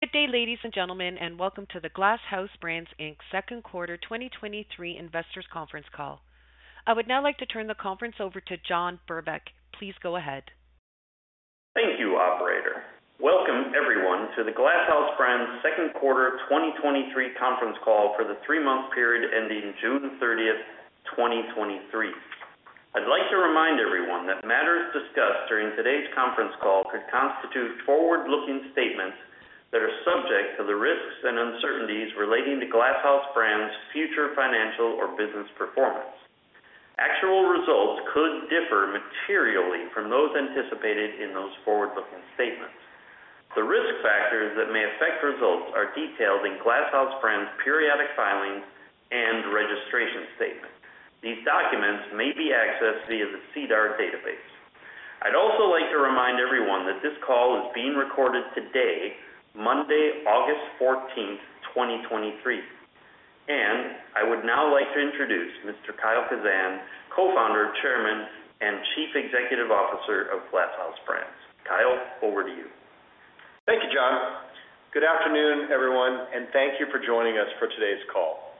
Good day, ladies and gentlemen, and welcome to the Glass House Brands Inc.'s Second Quarter 2023 Investors Conference Call. I would now like to turn the conference over to John Brebeck. Please go ahead. Thank you, operator. Welcome everyone to the Glass House Brands Second Quarter 2023 conference call for the three-month period ending June 30th, 2023. I'd like to remind everyone that matters discussed during today's conference call could constitute forward-looking statements that are subject to the risks and uncertainties relating to Glass House Brands' future financial or business performance. Actual results could differ materially from those anticipated in those forward-looking statements. The risk factors that may affect results are detailed in Glass House Brands periodic filings and registration statement. These documents may be accessed via the SEDAR database. I'd also like to remind everyone that this call is being recorded today, Monday, August 14th, 2023. I would now like to introduce Mr. Kyle Kazan, Co-Founder, Chairman, and Chief Executive Officer of Glass House Brands. Kyle, over to you. Thank you, John. Good afternoon, everyone, and thank you for joining us for today's call.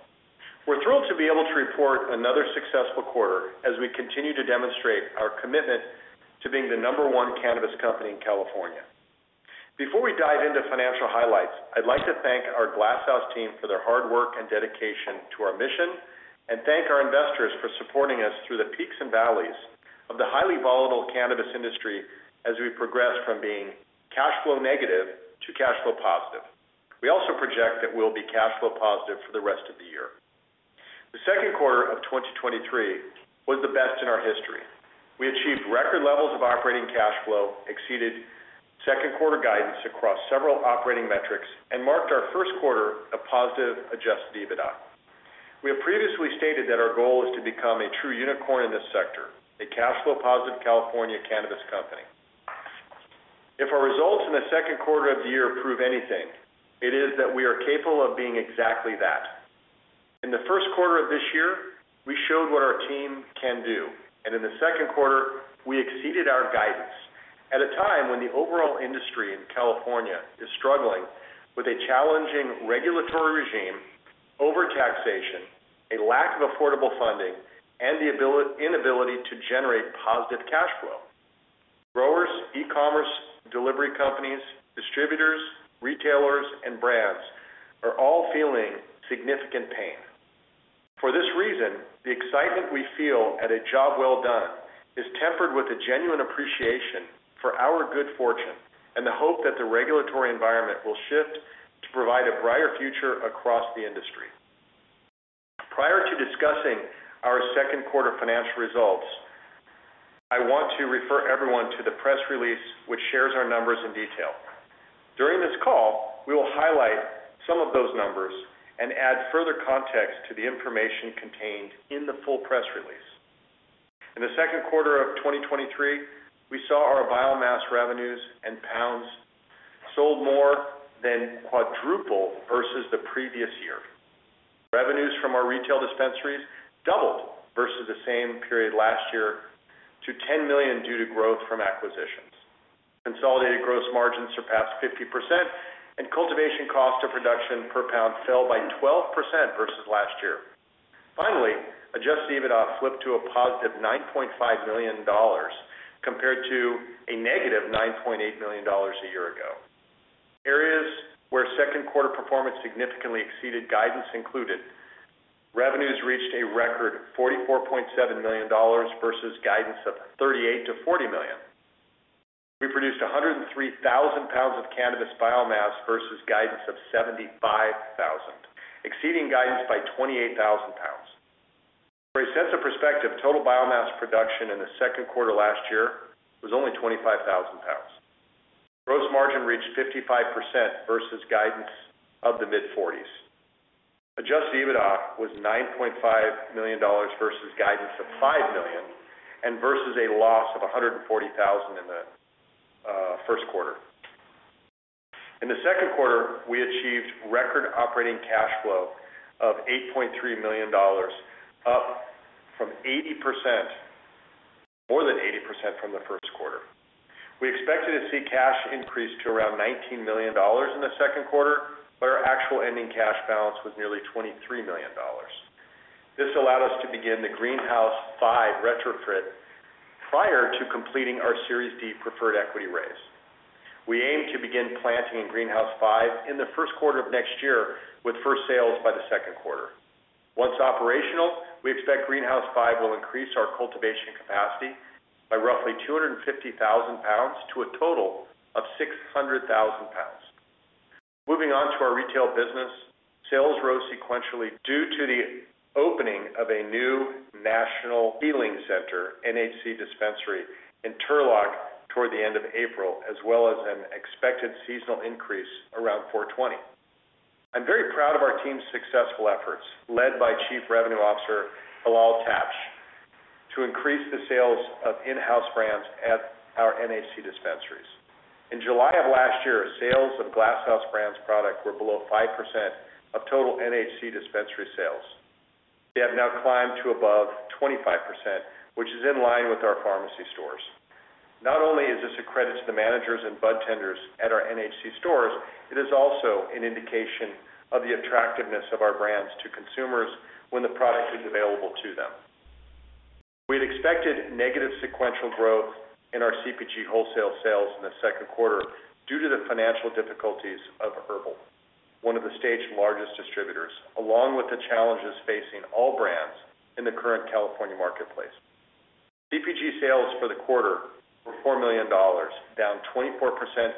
We're thrilled to be able to report another successful quarter as we continue to demonstrate our commitment to being the number one cannabis company in California. Before we dive into financial highlights, I'd like to thank our Glass House team for their hard work and dedication to our mission and thank our investors for supporting us through the peaks and valleys of the highly volatile cannabis industry as we progress from being cash flow negative to cash flow positive. We also project that we'll be cash flow positive for the rest of the year. The second quarter of 2023 was the best in our history. We achieved record levels of operating cash flow, exceeded second quarter guidance across several operating metrics, and marked our first quarter a positive adjusted EBITDA. We have previously stated that our goal is to become a true unicorn in this sector, a cash flow positive California cannabis company. If our results in the second quarter of the year prove anything, it is that we are capable of being exactly that. In the first quarter of this year, we showed what our team can do, in the second quarter, we exceeded our guidance. At a time when the overall industry in California is struggling with a challenging regulatory regime, overtaxation, a lack of affordable funding, and the inability to generate positive cash flow. Growers, e-commerce, delivery companies, distributors, retailers, and brands are all feeling significant pain. For this reason, the excitement we feel at a job well done is tempered with a genuine appreciation for our good fortune and the hope that the regulatory environment will shift to provide a brighter future across the industry. Prior to discussing our second quarter financial results, I want to refer everyone to the press release, which shares our numbers in detail. During this call, we will highlight some of those numbers and add further context to the information contained in the full press release. In the second quarter of 2023, we saw our biomass revenues and pounds sold more than quadruple versus the previous year. Revenues from our retail dispensaries doubled versus the same period last year to $10 million due to growth from acquisitions. Consolidated gross margins surpassed 50%, and cultivation cost of production per pound fell by 12% versus last year. Finally, adjusted EBITDA flipped to a positive $9.5 million, compared to a negative $9.8 million a year ago. Areas where second quarter performance significantly exceeded guidance included: revenues reached a record $44.7 million versus guidance of $38 million-$40 million. We produced 103,000 pounds of cannabis biomass versus guidance of 75,000, exceeding guidance by 28,000 pounds. For a sense of perspective, total biomass production in the second quarter last year was only 25,000 pounds. Gross margin reached 55% versus guidance of the mid-40s. Adjusted EBITDA was $9.5 million versus guidance of $5 million and versus a loss of $140,000 in the first quarter. In the second quarter, we achieved record operating cash flow of $8.3 million, up from 80%. More than 80% from the first quarter. We expected to see cash increase to around $19 million in the second quarter, but our actual ending cash balance was nearly $23 million. This allowed us to begin the Greenhouse 5 retrofit prior to completing our Series D preferred equity raise. We aim to begin planting in Greenhouse 5 in the first quarter of next year, with first sales by the second quarter. Once operational, we expect Greenhouse 5 will increase our cultivation capacity by roughly 250,000 pounds to a total of 600,000 pounds. Moving on to our retail business. Sales rose sequentially due to the opening of a new Natural Healing Center, NHC Dispensary in Turlock toward the end of April, as well as an expected seasonal increase around 420. I'm very proud of our team's successful efforts, led by Chief Revenue Officer, Hilal Tabsh, to increase the sales of in-house brands at our NHC dispensaries. In July of last year, sales of Glass House Brands product were below 5% of total NHC dispensary sales. They have now climbed to above 25%, which is in line with our Farmacy stores. Not only is this a credit to the managers and bud tenders at our NHC stores, it is also an indication of the attractiveness of our brands to consumers when the product is available to them. We had expected negative sequential growth in our CPG wholesale sales in the second quarter due to the financial difficulties of HERBL, one of the state's largest distributors, along with the challenges facing all brands in the current California marketplace. CPG sales for the quarter were $4 million, down 24%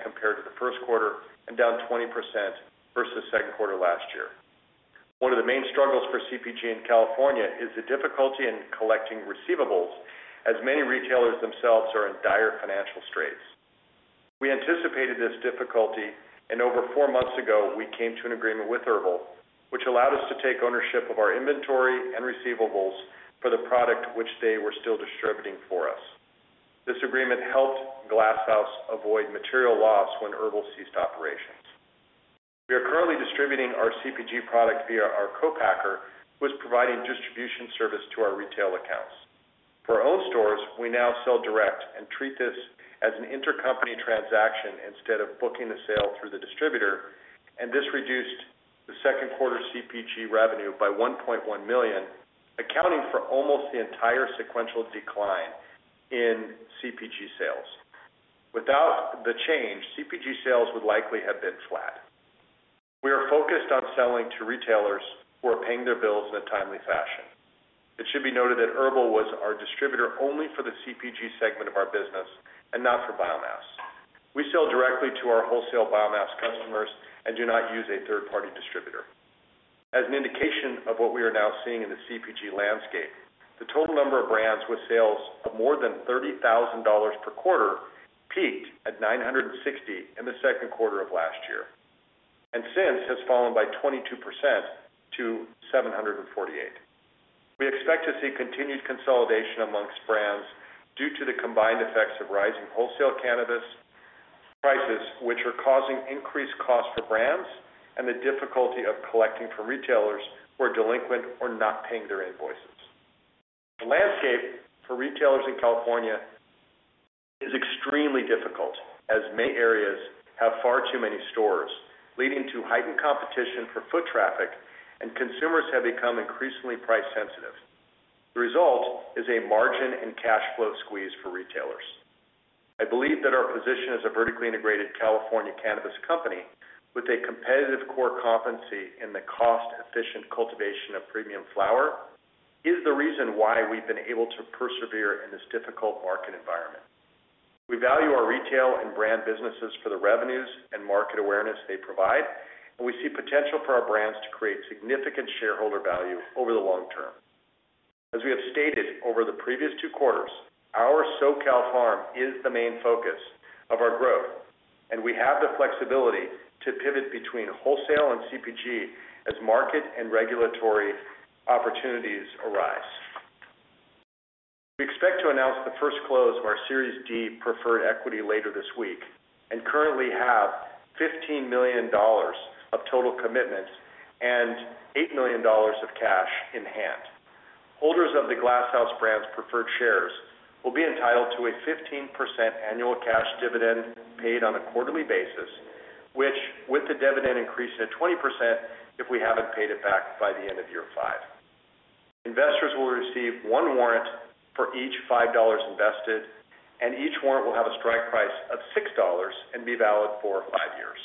compared to the first quarter and down 20% versus second quarter last year. One of the main struggles for CPG in California is the difficulty in collecting receivables, as many retailers themselves are in dire financial straits. We anticipated this difficulty, and over four months ago, we came to an agreement with HERBL, which allowed us to take ownership of our inventory and receivables for the product, which they were still distributing for us. This agreement helped Glass House avoid material loss when HERBL ceased operations. We are currently distributing our CPG product via our co-packer, who is providing distribution service to our retail accounts. For our own stores, we now sell direct and treat this as an intercompany transaction instead of booking the sale through the distributor, and this reduced the second quarter CPG revenue by $1.1 million, accounting for almost the entire sequential decline in CPG sales. Without the change, CPG sales would likely have been flat. We are focused on selling to retailers who are paying their bills in a timely fashion. It should be noted that HERBL was our distributor only for the CPG segment of our business and not for biomass. We sell directly to our wholesale biomass customers and do not use a third-party distributor. As an indication of what we are now seeing in the CPG landscape, the total number of brands with sales of more than $30,000 per quarter, peaked at 960 in the second quarter of last year, and since has fallen by 22% to 748. We expect to see continued consolidation amongst brands due to the combined effects of rising wholesale cannabis prices, which are causing increased costs for brands and the difficulty of collecting from retailers who are delinquent or not paying their invoices. The landscape for retailers in California is extremely difficult, as many areas have far too many stores, leading to heightened competition for foot traffic, and consumers have become increasingly price-sensitive. The result is a margin and cash flow squeeze for retailers. I believe that our position as a vertically integrated California cannabis company with a competitive core competency in the cost-efficient cultivation of premium flower, is the reason why we've been able to persevere in this difficult market environment. We value our retail and brand businesses for the revenues and market awareness they provide, and we see potential for our brands to create significant shareholder value over the long term. As we have stated over the previous two quarters, our SoCal Farm is the main focus of our growth, and we have the flexibility to pivot between wholesale and CPG as market and regulatory opportunities arise. We expect to announce the first close of our Series D preferred equity later this week, and currently have $15 million of total commitments and $8 million of cash in hand. Holders of the Glass House Brands preferred shares will be entitled to a 15% annual cash dividend paid on a quarterly basis, which, with the dividend increasing to 20%, if we haven't paid it back by the end of year five. Investors will receive one warrant for each $5 invested, and each warrant will have a strike price of $6 and be valid for four years.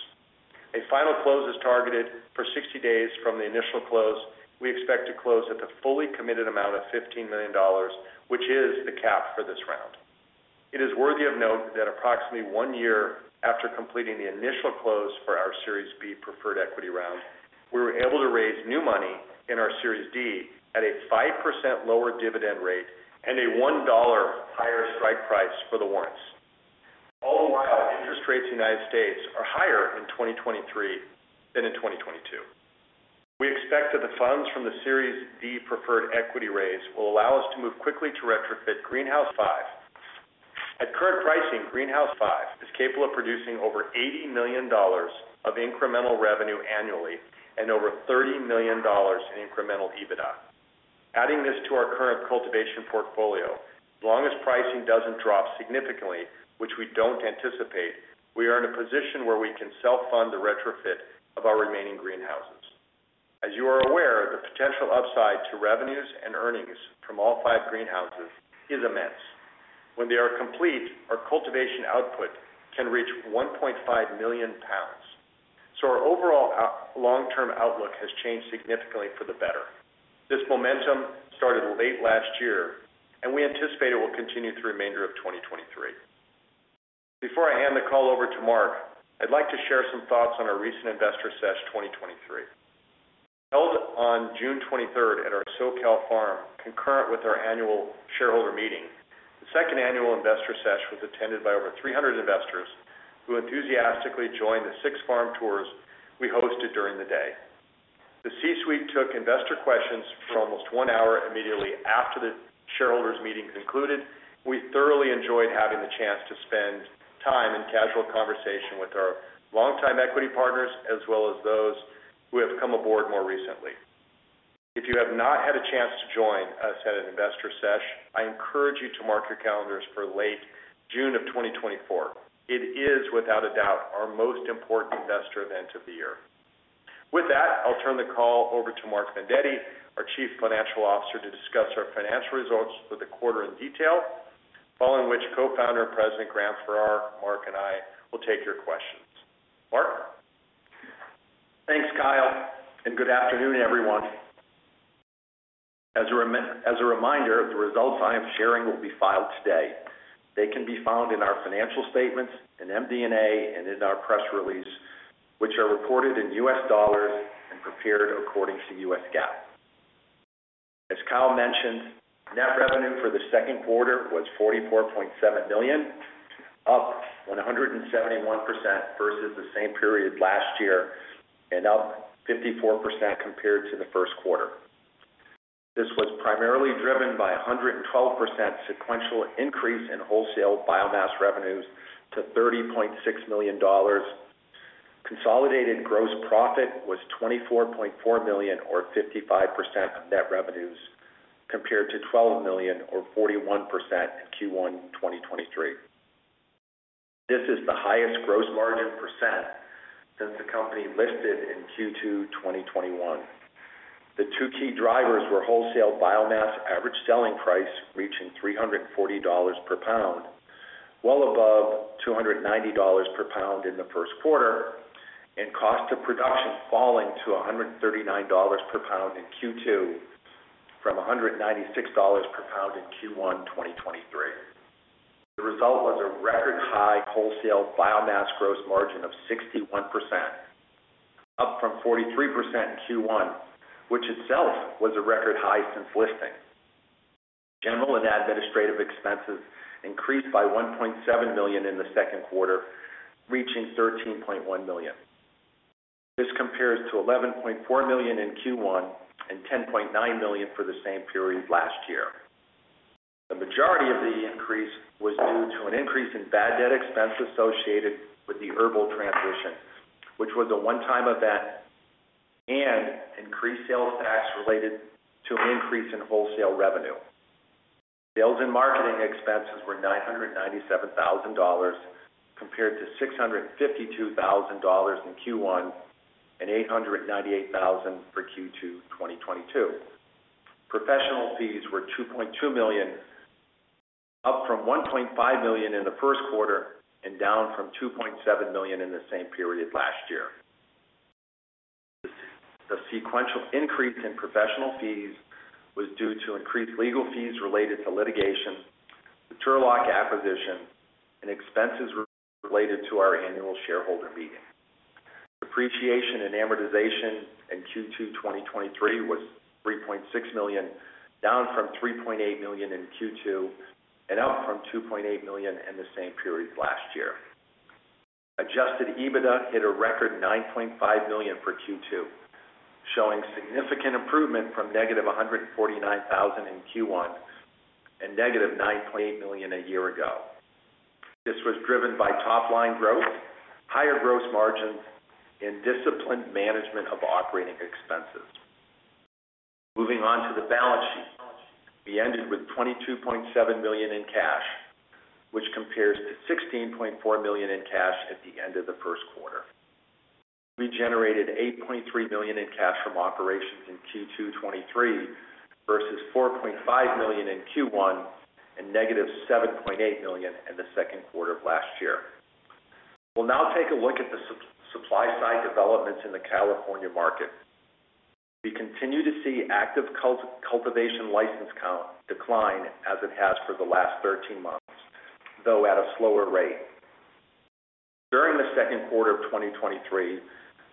A final close is targeted for 60 days from the initial close. We expect to close at the fully committed amount of $15 million, which is the cap for this round. It is worthy of note that approximately one year after completing the initial close for our Series B preferred equity round, we were able to raise new money in our Series D at a 5% lower dividend rate and a $1 higher strike price for the warrants. All the while, interest rates in the United States are higher in 2023 than in 2022. We expect that the funds from the Series D preferred equity raise will allow us to move quickly to retrofit Greenhouse 5. At current pricing, Greenhouse 5 is capable of producing over $80 million of incremental revenue annually and over $30 million in incremental EBITDA. Adding this to our current cultivation portfolio, as long as pricing doesn't drop significantly, which we don't anticipate, we are in a position where we can self-fund the retrofit of our remaining greenhouses. As you are aware, the potential upside to revenues and earnings from all five greenhouses is immense. When they are complete, our cultivation output can reach 1.5 million pounds. Our overall long-term outlook has changed significantly for the better. This momentum started late last year, and we anticipate it will continue through the remainder of 2023. Before I hand the call over to Mark, I'd like to share some thoughts on our recent Investor Sesh 2023. Held on June 23rd at our SoCal Farm, concurrent with our annual shareholder meeting, the second annual Investor Sesh was attended by over 300 investors who enthusiastically joined the six farm tours we hosted during the day. The C-suite took investor questions for almost one hour, immediately after the shareholders meeting concluded. We thoroughly enjoyed having the chance to spend time in casual conversation with our longtime equity partners, as well as those who have come aboard more recently. If you have not had a chance to join us at an investor sesh, I encourage you to mark your calendars for late June of 2024. It is without a doubt our most important investor event of the year. With that, I'll turn the call over to Mark Vendetti, our Chief Financial Officer, to discuss our financial results for the quarter in detail, following which Co-Founder and President, Graham Farrar, Mark, and I will take your questions. Mark? Thanks, Kyle, good afternoon, everyone. As a reminder, the results I am sharing will be filed today. They can be found in our financial statements, in MD&A, and in our press release, which are reported in U.S. dollars and prepared according to U.S. GAAP. As Kyle mentioned, net revenue for the second quarter was $44.7 million, up 171% versus the same period last year and up 54% compared to the first quarter. This was primarily driven by a 112% sequential increase in wholesale biomass revenues to $30.6 million. Consolidated gross profit was $24.4 million or 55% of net revenues, compared to $12 million or 41% in Q1 2023. This is the highest gross margin % since the company listed in Q2 2021. The two key drivers were wholesale biomass average selling price, reaching $340 per pound, well above $290 per pound in the first quarter, and cost of production falling to $139 per pound in Q2 from $196 per pound in Q1, 2023. The result was a record-high wholesale biomass gross margin of 61%, up from 43% in Q1, which itself was a record high since listing. General and administrative expenses increased by $1.7 million in the second quarter, reaching $13.1 million. This compares to $11.4 million in Q1 and $10.9 million for the same period last year. The majority of the increase was due to an increase in bad debt expense associated with the HERBL transition, which was a one-time event, and increased sales tax related to an increase in wholesale revenue. Sales and marketing expenses were $997,000, compared to $652,000 in Q1 and $898,000 for Q2 2022. Professional fees were $2.2 million, up from $1.5 million in the first quarter and down from $2.7 million in the same period last year. The sequential increase in professional fees was due to increased legal fees related to litigation, the Turlock acquisition, and expenses related to our annual shareholder meeting. Depreciation and amortization in Q2, 2023, was $3.6 million, down from $3.8 million in Q2 and up from $2.8 million in the same period last year. Adjusted EBITDA hit a record $9.5 million for Q2, showing significant improvement from negative $149,000 in Q1 and negative $9.8 million a year ago. This was driven by top-line growth, higher gross margins, and disciplined management of operating expenses. Moving on to the balance sheet. We ended with $22.7 million in cash, which compares to $16.4 million in cash at the end of the first quarter. We generated $8.3 million in cash from operations in Q2, 2023, versus $4.5 million in Q1 and negative $7.8 million in the second quarter of last year. We'll now take a look at the supply-side developments in the California market. We continue to see active cultivation license count decline, as it has for the last 13 months, though at a slower rate. During the second quarter of 2023,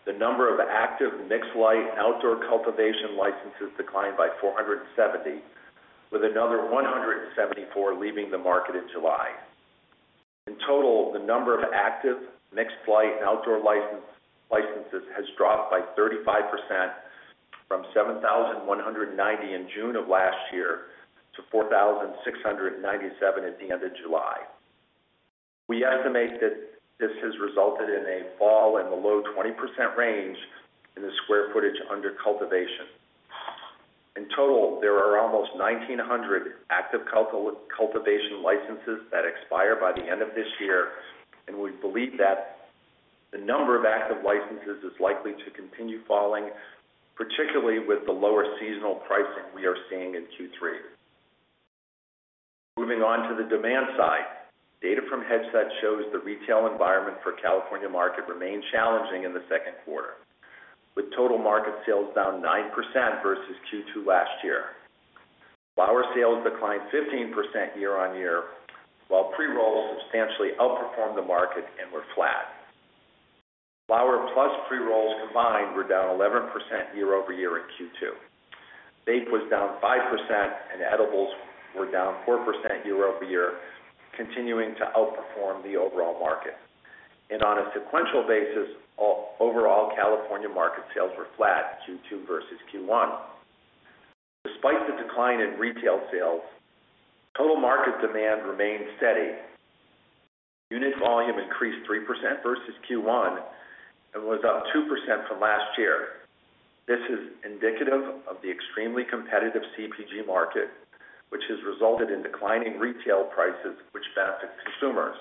the number of active mixed-light outdoor cultivation licenses declined by 470, with another 174 leaving the market in July. In total, the number of active mixed-light and outdoor licenses has dropped by 35% from 7,190 in June of last year to 4,697 at the end of July. We estimate that this has resulted in a fall in the low 20% range in the square footage under cultivation. In total, there are almost 1,900 active cultivation licenses that expire by the end of this year, and we believe that the number of active licenses is likely to continue falling, particularly with the lower seasonal pricing we are seeing in Q3. Moving on to the demand side. Data from Headset shows the retail environment for California market remained challenging in the second quarter, with total market sales down 9% versus Q2 last year. Flower sales declined 15% year-on-year, while pre-rolls substantially outperformed the market and were flat. Flower plus pre-rolls combined were down 11% year-over-year in Q2. Vape was down 5%, and edibles were down 4% year-over-year, continuing to outperform the overall market. On a sequential basis, overall, California market sales were flat, Q2 versus Q1. Despite the decline in retail sales, total market demand remained steady. Unit volume increased 3% versus Q1 and was up 2% from last year. This is indicative of the extremely competitive CPG market, which has resulted in declining retail prices, which benefit consumers.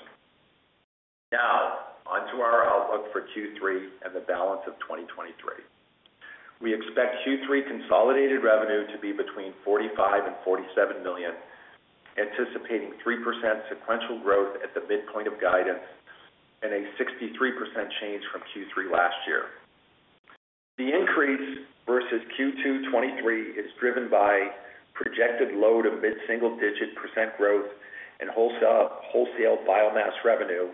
Now, onto our outlook for Q3 and the balance of 2023. We expect Q3 consolidated revenue to be between $45 million-$47 million, anticipating 3% sequential growth at the midpoint of guidance and a 63% change from Q3 last year. The increase versus Q2 2023 is driven by projected load of mid-single digit % growth in wholesale, wholesale biomass revenue,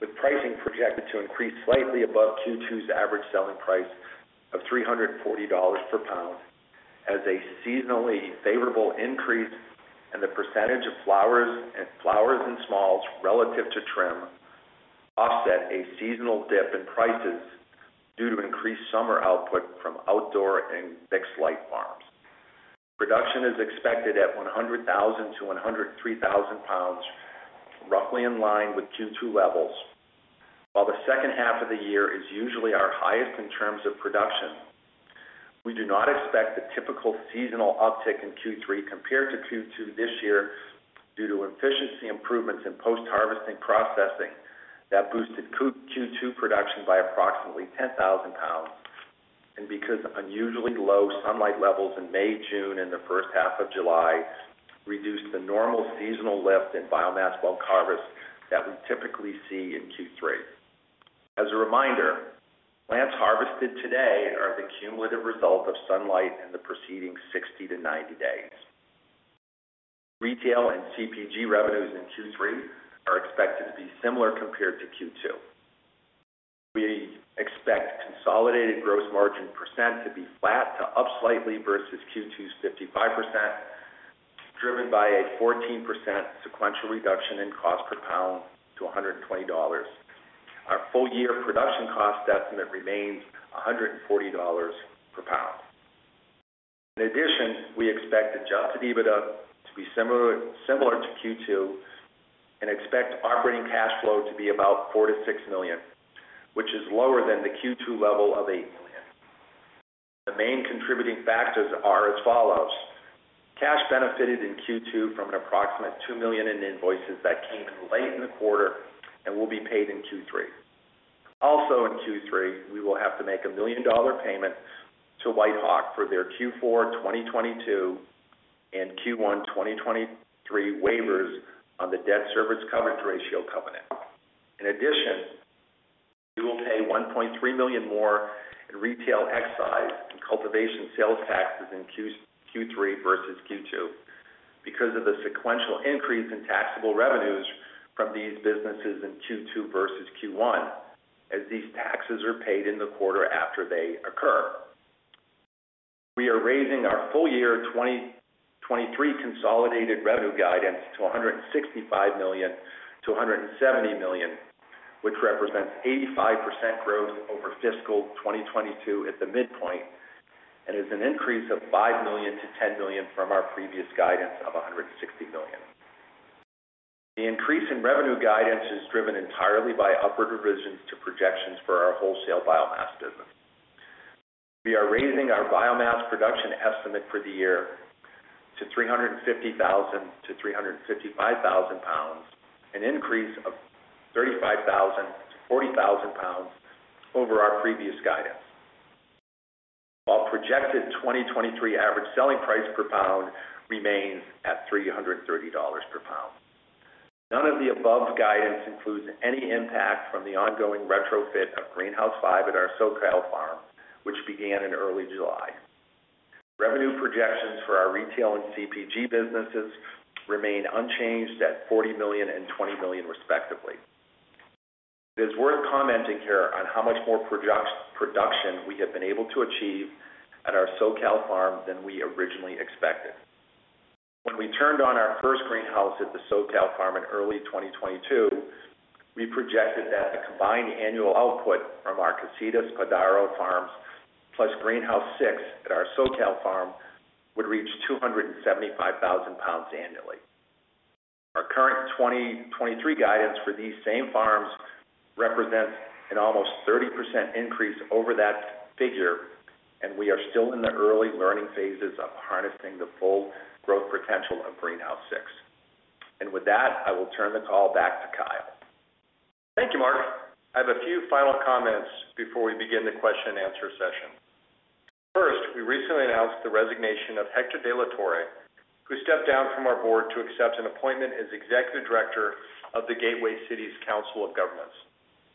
with pricing projected to increase slightly above Q2's average selling price of $340 per pound, as a seasonally favorable increase and the percentage of flowers and smalls relative to trim, offset a seasonal dip in prices due to increased summer output from outdoor and mixed-light farms. Production is expected at 100,000-103,000 pounds, roughly in line with Q2 levels. While the second half of the year is usually our highest in terms of production, we do not expect the typical seasonal uptick in Q3 compared to Q2 this year, due to efficiency improvements in Post-harvest processing that boosted Q2 production by approximately 10,000 pounds, and because unusually low sunlight levels in May, June, and the first half of July reduced the normal seasonal lift in biomass bulk harvest that we typically see in Q3. As a reminder, plants harvested today are the cumulative result of sunlight in the preceding 60 to 90 days. Retail and CPG revenues in Q3 are expected to be similar compared to Q2. We expect consolidated gross margin percent to be flat to up slightly versus Q2's 55%, driven by a 14% sequential reduction in cost per pound to $120. Our full-year production cost estimate remains $140 per pound. In addition, we expect adjusted EBITDA to be similar, similar to Q2 and expect operating cash flow to be about $4 million-$6 million, which is lower than the Q2 level of $8 million. The main contributing factors are as follows: Cash benefited in Q2 from an approximate $2 million in invoices that came in late in the quarter and will be paid in Q3. Also in Q3, we will have to make a $1 million payment to WhiteHawk for their Q4 2022 and Q1 2023 waivers on the Debt Service Coverage Ratio covenant. In addition, we will pay $1.3 million more in retail excise and cultivation sales taxes in Q3 versus Q2 because of the sequential increase in taxable revenues from these businesses in Q2 versus Q1, as these taxes are paid in the quarter after they occur. We are raising our full-year 2023 consolidated revenue guidance to $165 million-$170 million, which represents 85% growth over fiscal 2022 at the midpoint and is an increase of $5 million-$10 million from our previous guidance of $160 million. The increase in revenue guidance is driven entirely by upward revisions to projections for our wholesale biomass business. We are raising our biomass production estimate for the year to 350,000-355,000 pounds, an increase of 35,000-40,000 pounds over our previous guidance, while projected 2023 average selling price per pound remains at $330 per pound. None of the above guidance includes any impact from the ongoing retrofit of Greenhouse 5 at our SoCal Farm, which began in early July. Revenue projections for our retail and CPG businesses remain unchanged at $40 million and $20 million, respectively. It is worth commenting here on how much more production we have been able to achieve at our SoCal Farm than we originally expected. When we turned on our first greenhouse at the SoCal Farm in early 2022, we projected that the combined annual output from our Casitas Padaro farms, plus Greenhouse 6 at our SoCal Farm, would reach 275,000 pounds annually. Our current 2023 guidance for these same farms represents an almost 30% increase over that figure, we are still in the early learning phases of harnessing the full growth potential of Greenhouse 6. With that, I will turn the call back to Kyle. Thank you, Mark. I have a few final comments before we begin the question and answer session. First, we recently announced the resignation of Hector De La Torre, who stepped down from our board to accept an appointment as Executive Director of the Gateway Cities Council of Governments.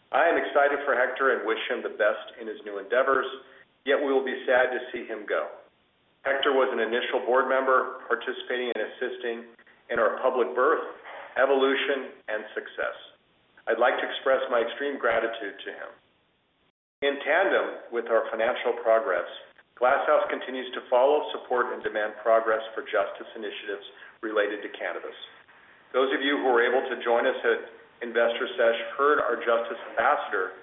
I am excited for Hector and wish him the best in his new endeavors, yet we will be sad to see him go. Hector was an initial board member, participating and assisting in our public birth, evolution, and success. I'd like to express my extreme gratitude to him. In tandem with our financial progress, Glass House continues to follow, support, and demand progress for justice initiatives related to cannabis. Those of you who were able to join us at Investor Sesh heard our Justice Ambassador,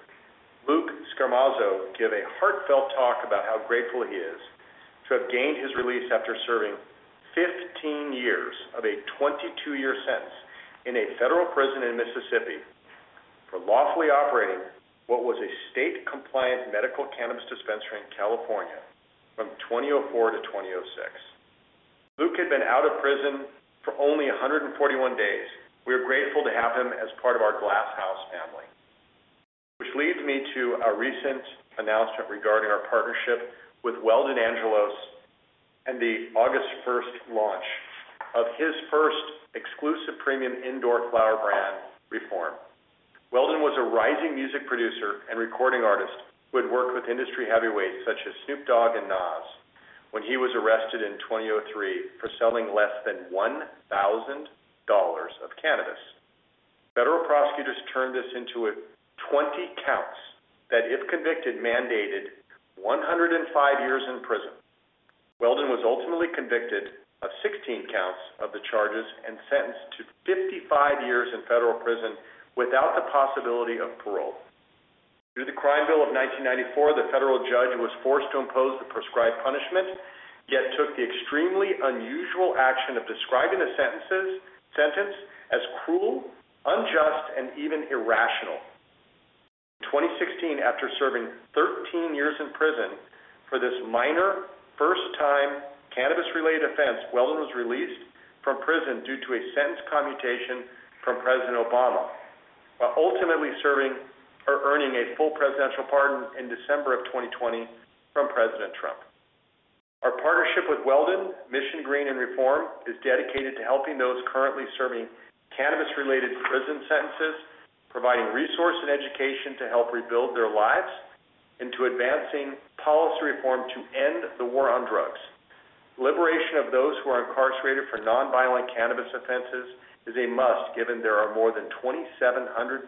Luke Scarmazzo, give a heartfelt talk about how grateful he is to have gained his release after serving 15 years of a 22-year sentence in a federal prison in Mississippi for lawfully operating what was a state-compliant medical cannabis dispensary in California from 2004 to 2006. Luke had been out of prison for only 141 days. We are grateful to have him as part of our Glass House family, which leads me to a recent announcement regarding our partnership with Weldon Angelos and the August 1st launch of his first exclusive premium indoor flower brand, REEFORM. Weldon was a rising music producer and recording artist who had worked with industry heavyweights such as Snoop Dogg and Nas, when he was arrested in 2003 for selling less than $1,000 of cannabis. Federal prosecutors turned this into a 20 counts, that if convicted, mandated 105 years in prison. Weldon was ultimately convicted of 16 counts of the charges and sentenced to 55 years in federal prison without the possibility of parole. Through the Crime Bill of 1994, the federal judge was forced to impose the prescribed punishment, yet took the extremely unusual action of describing the sentence as cruel, unjust, and even irrational. In 2016, after serving 13 years in prison for this minor, first-time cannabis-related offense, Weldon was released from prison due to a sentence commutation from President Obama, while ultimately serving or earning a full presidential pardon in December of 2020 from President Trump. Our partnership with Weldon, Mission Green, and REEFORM, is dedicated to helping those currently serving cannabis-related prison sentences, providing resource and education to help rebuild their lives, and to advancing policy reform to end the war on drugs. Liberation of those who are incarcerated for non-violent cannabis offenses is a must, given there are more than 2,700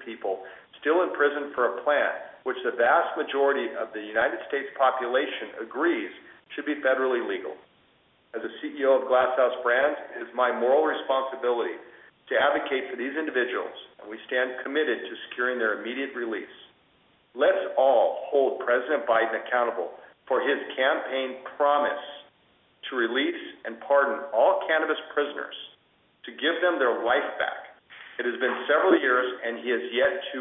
people still in prison for a plant, which the vast majority of the United States population agrees should be federally legal. As the CEO of Glass House Brands, it is my moral responsibility to advocate for these individuals, and we stand committed to securing their immediate release. Let's all hold President Biden accountable for his campaign promise to release and pardon all cannabis prisoners, to give them their life back. It has been several years, and he has yet to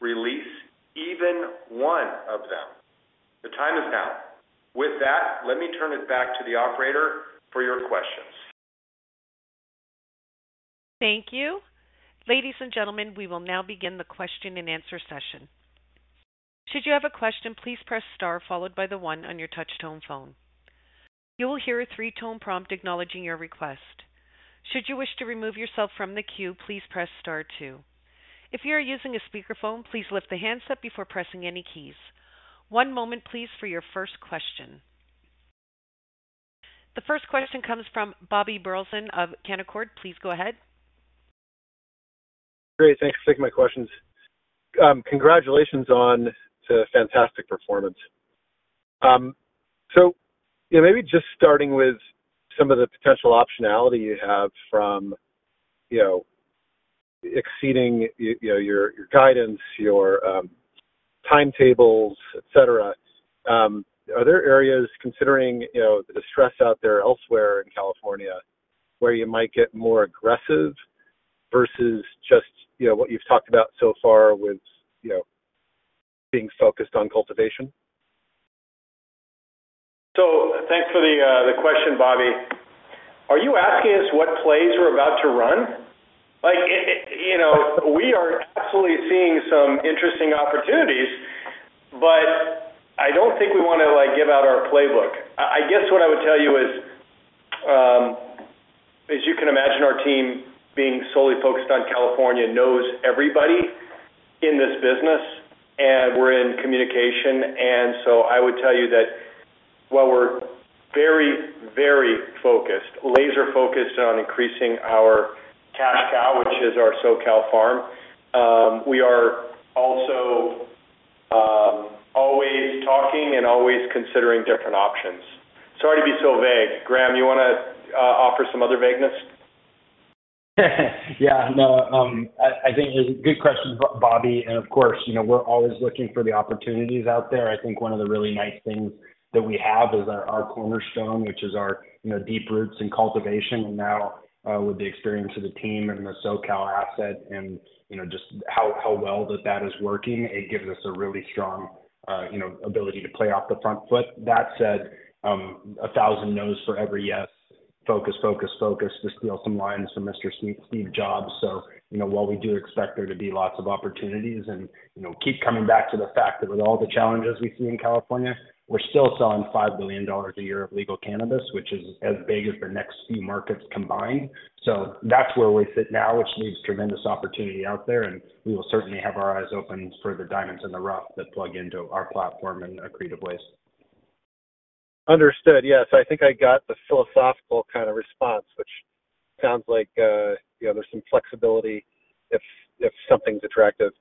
release even one of them. The time is now. With that, let me turn it back to the operator for your questions. Thank you. Ladies and gentlemen, we will now begin the question-and-answer session. Should you have a question, please press star followed by the one on your touch-tone phone. You will hear a three-tone prompt acknowledging your request. Should you wish to remove yourself from the queue, please press star two. If you are using a speakerphone, please lift the handset before pressing any keys. One moment, please, for your first question. The first question comes from Bobby Burleson of Canaccord. Please go ahead. Great. Thanks for taking my questions. Congratulations on the fantastic performance. You know, maybe just starting with some of the potential optionality you have from, you know, exceeding you know, your, your guidance, your, timetables, et cetera. Are there areas considering, you know, the stress out there elsewhere in California, where you might get more aggressive versus just, you know, what you've talked about so far with, you know, being focused on cultivation? Thanks for the question, Bobby. Are you asking us what plays we're about to run? Like it, you know, we are absolutely seeing some interesting opportunities, but I don't think we want to, like, give out our playbook. I guess what I would tell you is, as you can imagine, our team, being solely focused on California, knows everybody in this business, and we're in communication. I would tell you that while we're very, very focused, laser-focused on increasing our cash cow, which is our SoCal Farm, we are also always talking and always considering different options. Sorry to be so vague. Graham, you want to offer some other vagueness? Yeah, no, I think it's a good question, Bobby, of course, you know, we're always looking for the opportunities out there. I think one of the really nice things that we have is our, our cornerstone, which is our, you know, deep roots in cultivation. Now, with the experience of the team and the SoCal asset and, you know, just how, how well that, that is working, it gives us a really strong, you know, ability to play off the front foot. That said, a 1,000 no's for every yes, focus to steal some lines from Mr. Steve, Steve Jobs. You know, while we do expect there to be lots of opportunities and, you know, keep coming back to the fact that with all the challenges we see in California, we're still selling $5 billion a year of legal cannabis, which is as big as the next few markets combined. That's where we sit now, which leaves tremendous opportunity out there, and we will certainly have our eyes open for the diamonds in the rough that plug into our platform in a creative way. Understood. Yes, I think I got the philosophical kind of response, which sounds like, you know, there's some flexibility if, if something's attractive.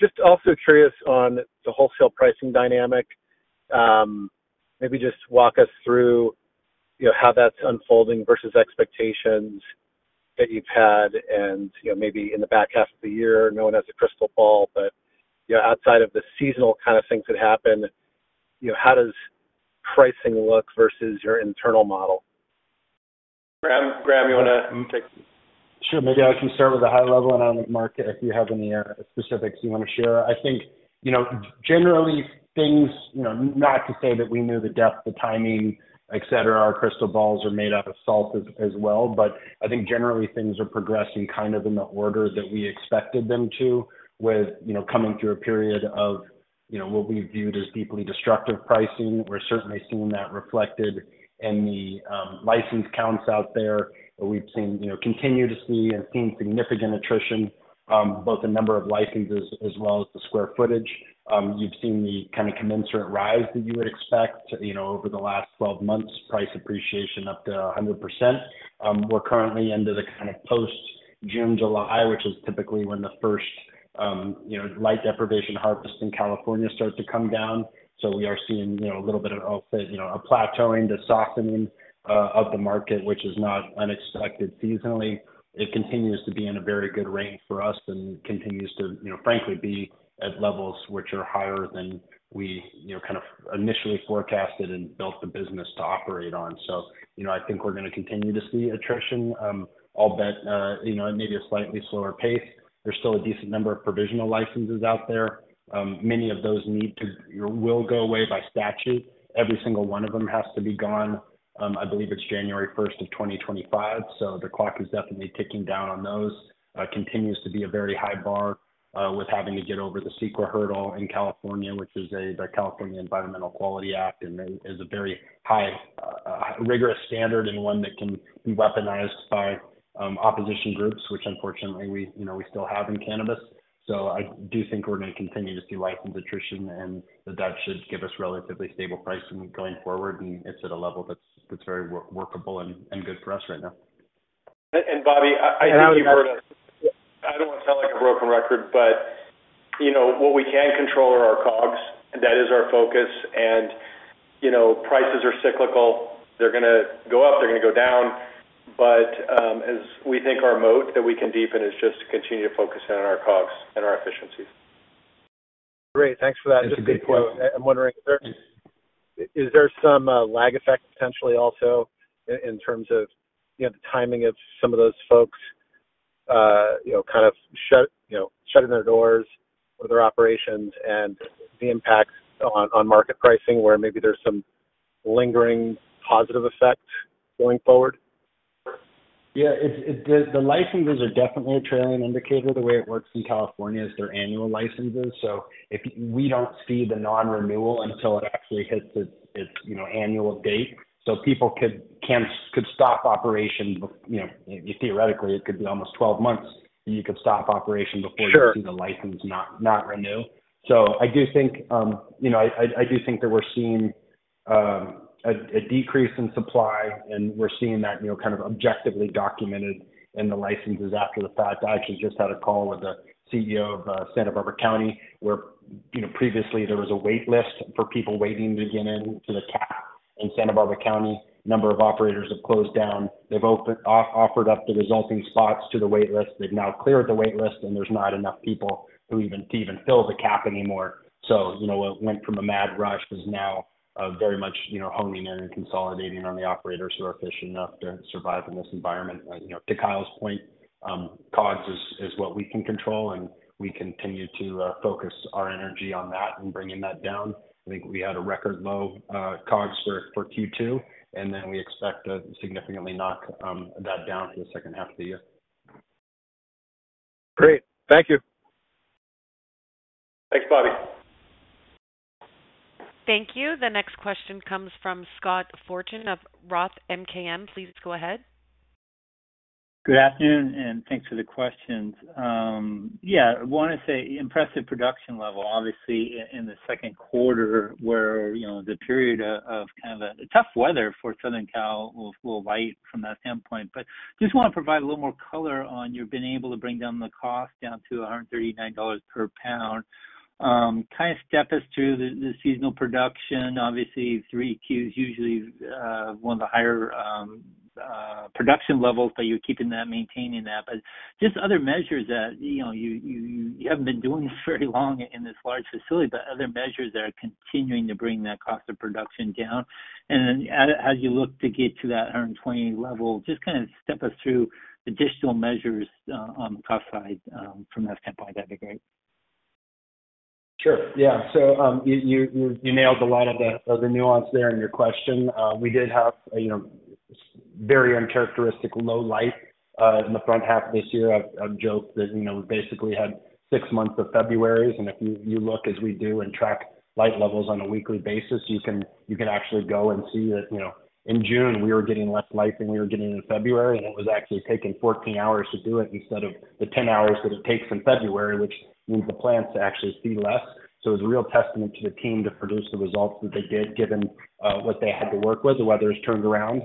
Just also curious on the wholesale pricing dynamic, maybe just walk us through, you know, how that's unfolding versus expectations that you've had and, you know, maybe in the back half of the year, no one has a crystal ball, but, you know, outside of the seasonal kind of things that happen, you know, how does pricing look versus your internal model? Graham, you want to take? Sure. Maybe I can start with a high level, and then, Mark, if you have any specifics you want to share. I think, you know, generally things, you know, not to say that we knew the depth, the timing, et cetera, our crystal balls are made out of salt as well. I think generally things are progressing kind of in the order that we expected them to with, you know, coming through a period of, you know, what we viewed as deeply destructive pricing. We're certainly seeing that reflected in the license counts out there, where we've seen, you know, continue to see and seen significant attrition on both the number of licenses as well as the square footage. You've seen the kind of commensurate rise that you would expect, you know, over the last 12 months, price appreciation up to 100%. We're currently into the kind of post-June, July, which is typically when the first, you know, light deprivation harvest in California starts to come down. We are seeing, you know, a little bit of, you know, a plateauing, the softening of the market, which is not unexpected seasonally. It continues to be in a very good range for us and continues to, you know, frankly, be at levels which are higher than we, you know, kind of initially forecasted and built the business to operate on. I think we're going to continue to see attrition, albeit, you know, maybe a slightly slower pace. There's still a decent number of provisional licenses out there. Many of those need to, will go away by statute. Every single one of them has to be gone, I believe it's January 1st, 2025, so the clock is definitely ticking down on those. Continues to be a very high bar with having to get over the CEQA hurdle in California, which is a, the California Environmental Quality Act, and is a very high, rigorous standard, and one that can be weaponized by opposition groups, which unfortunately, we, you know, we still have in cannabis. I do think we're going to continue to see license attrition, and that that should give us relatively stable pricing going forward, and it's at a level that's, that's very workable and, and good for us right now. Bobby, I don't want to sound like a broken record, but, you know, what we can control are our COGS, and that is our focus. You know, prices are cyclical. They're gonna go up, they're gonna go down. As we think our moat that we can deepen is just to continue to focus in on our COGS and our efficiencies. Great. Thanks for that. Just a quick follow-up. I'm wondering, is there some lag effect potentially also in terms of, you know, the timing of some of those folks, you know, kind of shut, you know, shutting their doors or their operations and the impact on, on market pricing, where maybe there's some lingering positive effect going forward? Yeah, it the licenses are definitely a trailing indicator. The way it works in California is they're annual licenses, so if we don't see the non-renewal until it actually hits its, its, you know, annual date. People could, can, could stop operation, you know, theoretically, it could be almost 12 months, you could stop operation before. Sure. you see the license not, not renew. I do think, you know, I do think that we're seeing a, a decrease in supply, and we're seeing that, you know, kind of objectively documented in the licenses after the fact. I actually just had a call with the CEO of Santa Barbara County, where, you know, previously there was a wait list for people waiting to get into the cap in Santa Barbara County. Number of operators have closed down. They've offered up the resulting spots to the wait list. They've now cleared the wait list, and there's not enough people to even, to even fill the cap anymore. You know, what went from a mad rush is now very much, you know, homing in and consolidating on the operators who are efficient enough to survive in this environment. You know, to Kyle's point, COGS is, is what we can control, and we continue to focus our energy on that and bringing that down. I think we had a record low COGS for Q2, we expect to significantly knock that down for the second half of the year. Great. Thank you. Thanks, Bobby. Thank you. The next question comes from Scott Fortune of Roth MKM. Please go ahead. Good afternoon. Thanks for the questions. Yeah, I want to say impressive production level, obviously, in the second quarter, where, you know, the period of kind of a tough weather for Southern Cal will light from that standpoint. Just want to provide a little more color on you've been able to bring down the cost down to $139 per pound. Kind of step us through the, the seasonal production. Obviously, Qs, usually, one of the higher production levels, but you're keeping that, maintaining that. Just other measures that, you know, you, you, you haven't been doing this very long in this large facility, but other measures that are continuing to bring that cost of production down. Then as, as you look to get to that 120 level, just kind of step us through additional measures, on the cost side, from that standpoint, that'd be great. Sure. Yeah. You nailed a lot of the, of the nuance there in your question. We did have, you know, very uncharacteristic low light, in the front half of this year. I've joked that, you know, we basically had six months of February, and if you, you look as we do and track light levels on a weekly basis, you can, you can actually go and see that, you know, in June, we were getting less light than we were getting in February, and it was actually taking 14 hours to do it instead of the 10 hours that it takes in February, which means the plants actually see less. It's a real testament to the team to produce the results that they did, given, what they had to work with. The weather has turned around,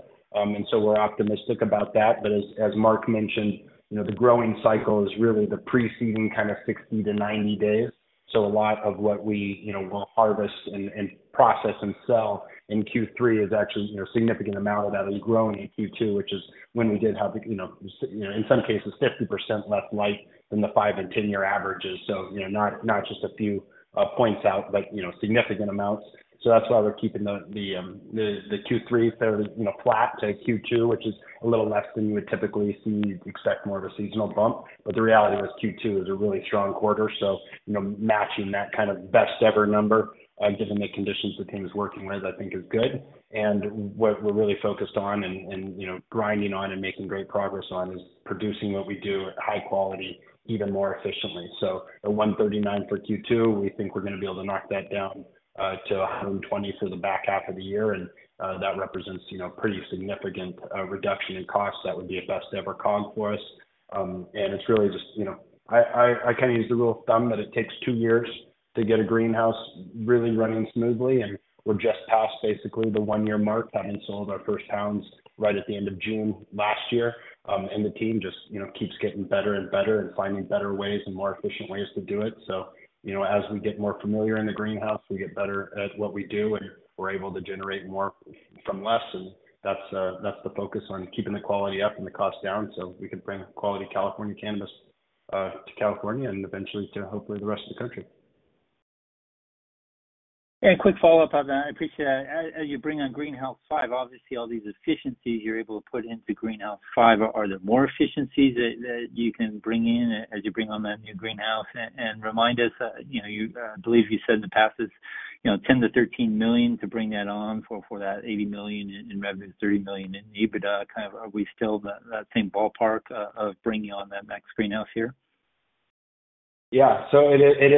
so we're optimistic about that. As, as Mark mentioned, you know, the growing cycle is really the preceding kind of 60-90 days. A lot of what we, you know, will harvest and, and process and sell in Q3 is actually, you know, a significant amount of that is grown in Q2, which is when we did have the, you know, in some cases, 50% less light than the five and 10-year averages. You know, not, not just a few points out, but, you know, significant amounts. That's why we're keeping the, the, the Q3 fairly, you know, flat to Q2, which is a little less than you would typically see. You'd expect more of a seasonal bump. The reality was Q2 was a really strong quarter, so, you know, matching that kind of best ever number, given the conditions the team is working with, I think is good. What we're really focused on and, you know, grinding on and making great progress on, is producing what we do at high quality, even more efficiently. At $1.39 for Q2, we think we're going to be able to knock that down, to $1.20 for the back half of the year. That represents, you know, pretty significant reduction in costs. That would be a best ever cost for us. It's really just, you know, I kind of use the rule of thumb that it takes two years to get a greenhouse really running smoothly, and we're just past basically the one-year mark. Having sold our first pounds right at the end of June last year. The team just, you know, keeps getting better and better and finding better ways and more efficient ways to do it. You know, as we get more familiar in the greenhouse, we get better at what we do, and we're able to generate more from less, and that's the focus on keeping the quality up and the cost down, so we can bring quality California cannabis to California and eventually to, hopefully, the rest of the country. A quick follow-up on that. I appreciate that. As you bring on Greenhouse 5, obviously all these efficiencies you're able to put into Greenhouse 5. Are there more efficiencies that, that you can bring in as you bring on that new greenhouse? And remind us, you know, you, I believe you said in the past, it's, you know, $10 million-$13 million to bring that on for, for that $80 million in revenue, $30 million in EBITDA, kind of are we still that, that same ballpark of bringing on that next greenhouse here? It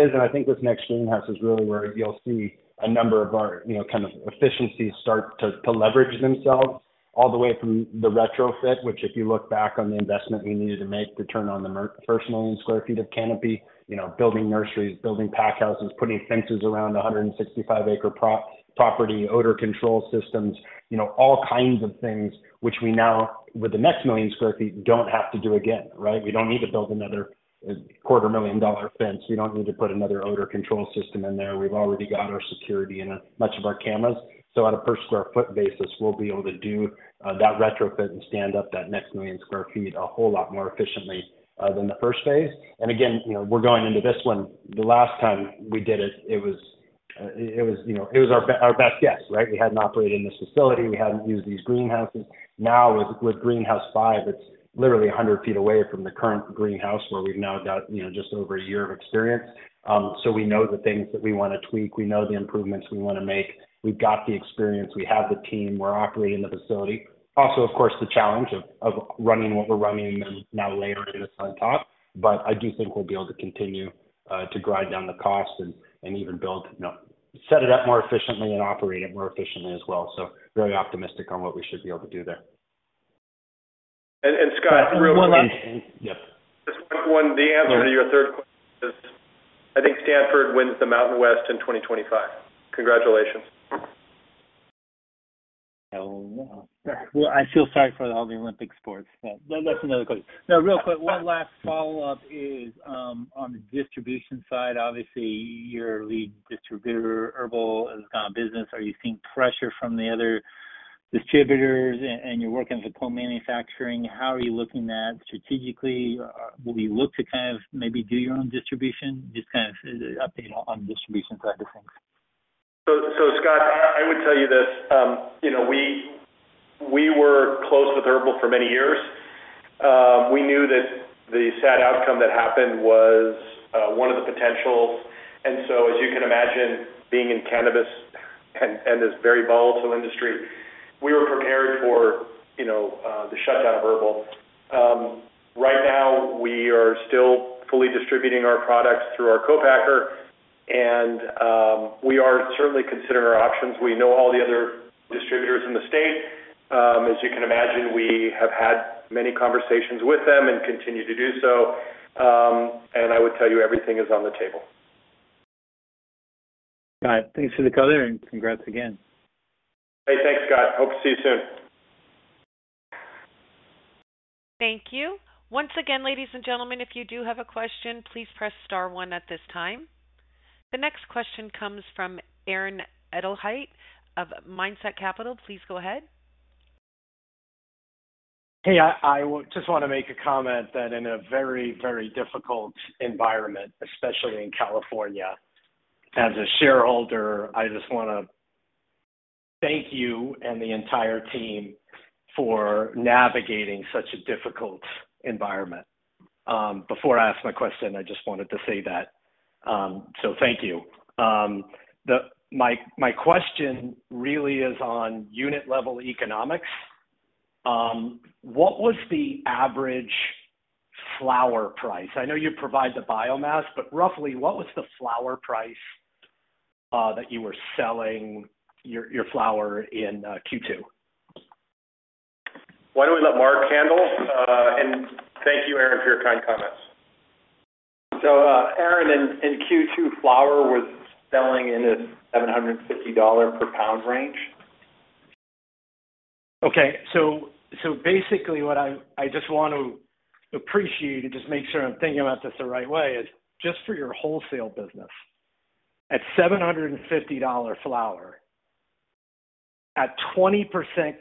is, and I think this next Greenhouse is really where you'll see a number of our kind of efficiencies start to, to leverage themselves all the way from the retrofit, which, if you look back on the investment we needed to make to turn on the 1 million sq ft of canopy. Building nurseries, building pack houses, putting fences around a 165 acre property, odor control systems, all kinds of things which we now, with the next 1 million sq ft, don't have to do again, right? We don't need to build another $250,000 fence. We don't need to put another odor control system in there. We've already got our security and much of our cameras. On a per square foot basis, we'll be able to do that retrofit and stand up that next 1 million sq ft a whole lot more efficiently than the first phase. Again, you know, we're going into this one. The last time we did it, it was, it, it was, you know, it was our best guess, right? We hadn't operated in this facility. We hadn't used these greenhouses. Now, with, with Greenhouse 5, it's literally 100 feet away from the current greenhouse, where we've now got, you know, just over one year of experience. We know the things that we want to tweak. We know the improvements we want to make. We've got the experience. We have the team. We're operating the facility. Also, of course, the challenge of, of running what we're running and now layering this on top. I do think we'll be able to continue, to drive down the costs and, and even build, you know, set it up more efficiently and operate it more efficiently as well. Very optimistic on what we should be able to do there. Scott, one last- Yep. Just one, the answer to your third question is, I think Stanford wins the Mountain West in 2025. Congratulations. Well, well, I feel sorry for all the Olympic sports, but that's another question. Now, real quick, one last follow-up is, on the distribution side. Obviously, your lead distributor, HERBL, is out of business. Are you seeing pressure from the other distributors, and you're working with co-manufacturing? How are you looking at strategically? Will you look to kind of maybe do your own distribution? Just kind of update on the distribution side of things. Scott, I, I would tell you this, you know, we, we were close with HERBL for many years. We knew that the sad outcome that happened was one of the potentials. As you can imagine, being in cannabis and, and this very volatile industry, we were prepared for, you know, the shutdown of HERBL. Right now, we are still fully distributing our products through our co-packer, and we are certainly considering our options. We know all the other distributors in the state. As you can imagine, we have had many conversations with them and continue to do so. I would tell you everything is on the table. All right. Thanks for the color and congrats again. Hey, thanks, Scott. Hope to see you soon. Thank you. Once again, ladies and gentlemen, if you do have a question, please press star one at this time. The next question comes from Aaron Edelheit of Mindset Capital. Please go ahead. Hey, I, I just want to make a comment that in a very, very difficult environment, especially in California, as a shareholder, I just want to thank you and the entire team for navigating such a difficult environment. Before I ask my question, I just wanted to say that. Thank you. My, my question really is on unit-level economics. What was the average flower price? I know you provide the biomass, but roughly, what was the flower price that you were selling your, your flower in Q2? Why don't we let Mark handle? Thank you, Aaron, for your kind comments. Aaron, in Q2, flower was selling in the $750 per pound range. Okay, so basically what I just want to appreciate and just make sure I'm thinking about this the right way is, just for your wholesale business, at $750 flower, at 20%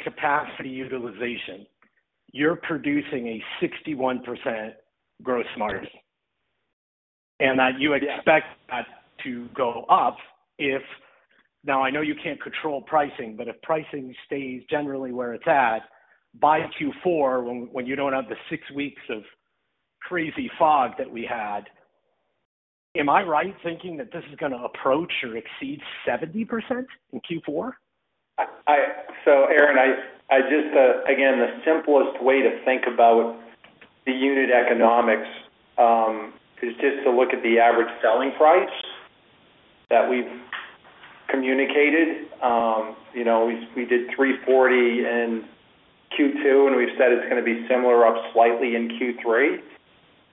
capacity utilization, you're producing a 61% gross margin. That you expect that to go up now I know you can't control pricing, but if pricing stays generally where it's at, by Q4, when you don't have the 6 weeks of crazy fog that we had, am I right thinking that this is going to approach or exceed 70% in Q4? I, so, Aaron, I, I just, again, the simplest way to think about the unit economics, is just to look at the average selling price that we've communicated. You know, we, we did $340 in Q2, and we've said it's going to be similar up slightly in Q3.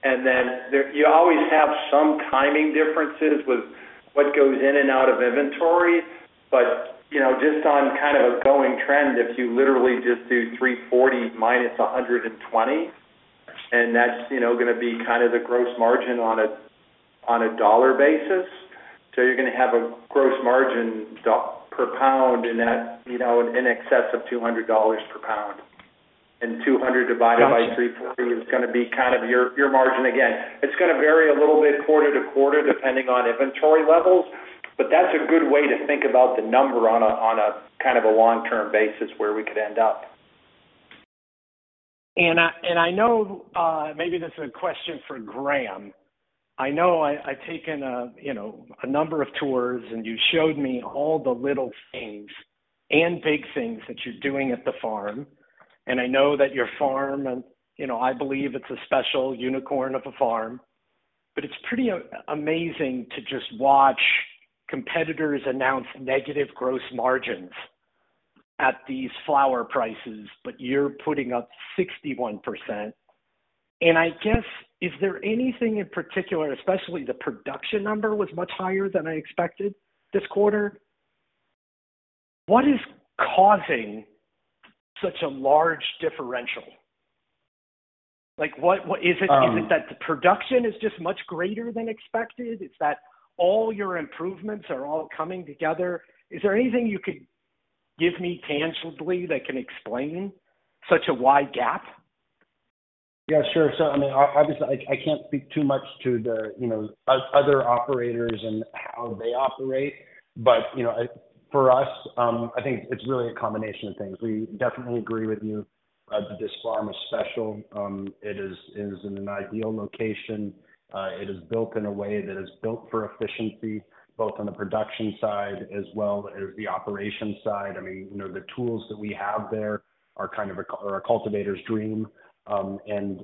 Then there you always have some timing differences with what goes in and out of inventory. You know, just on kind of a going trend, if you literally just do $340 minus $120, and that's, you know, going to be kind of the gross margin on a, on a dollar basis. So you're going to have a gross margin per pound in that, you know, in excess of $200 per pound. Two hundred divided by $340 is going to be kind of your, your margin. It's going to vary a little bit quarter to quarter, depending on inventory levels, but that's a good way to think about the number on a, on a kind of a long-term basis where we could end up. I, and I know, maybe this is a question for Graham. I know I, I've taken, you know, a number of tours, and you showed me all the little things and big things that you're doing at the farm. I know that your farm, and, you know, I believe it's a special unicorn of a farm, but it's pretty amazing to just watch competitors announce negative gross margins at these flower prices, but you're putting up 61%. I guess, is there anything in particular, especially the production number, was much higher than I expected this quarter? What is causing such a large differential? Like, what, what? Is it, is it that the production is just much greater than expected? Is that all your improvements are all coming together? Is there anything you could give me tangibly that can explain such a wide gap? Yeah, sure. I mean, obviously, I, I can't speak too much to the, you know, other operators and how they operate. You know, I-- for us, I think it's really a combination of things. We definitely agree with you that this farm is special. It is, it is in an ideal location. It is built in a way that is built for efficiency, both on the production side as well as the operation side. I mean, you know, the tools that we have there are kind of a, are a cultivator's dream.